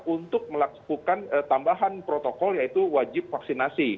untuk melakukan tambahan protokol yaitu wajib vaksinasi